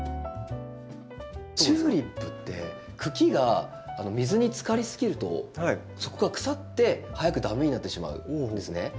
チューリップって茎が水につかりすぎるとそこが腐って早く駄目になってしまうんですね。